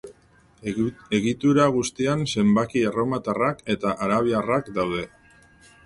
Egitura guztian zenbaki erromatarrak eta arabiarrak daude.